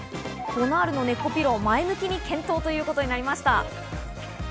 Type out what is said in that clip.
ボナールのネッコピロー、前向きに検討ということになりました。